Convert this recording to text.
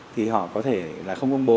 thì họ có thể là không công bố